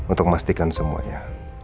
untuk memastikan semuanya